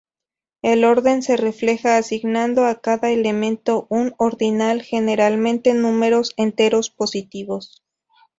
El orden se refleja asignando a cada elemento un ordinal, generalmente números enteros positivos.